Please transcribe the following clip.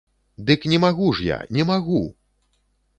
Дык не магу ж я, не магу!